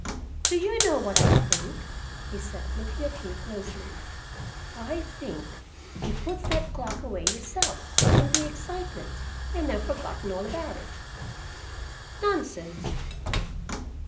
"Do you know what I think?" he said, looking at me closely. "I think you put that clock away yourself, in the excitement, and have forgotten all about it." "Nonsense."